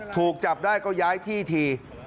ถูกจับได้ก็ย้ายที่ที